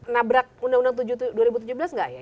nabrak undang undang dua ribu tujuh belas nggak ya